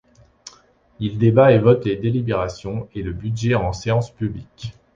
Il débat et vote les délibérations et le budget en séance publique.